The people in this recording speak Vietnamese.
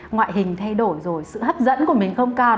ngoại hình thay đổi rồi sự hấp dẫn của mình không cao